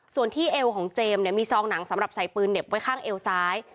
ส่วนที่เอวของเจมส์เนี่ยมีซองหนังสำหรับใส่ปืนเหน็บไว้ข้างเอวซ้าย